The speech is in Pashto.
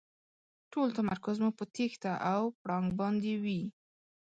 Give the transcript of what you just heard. ټول تمرکز مو په تېښته او پړانګ باندې وي.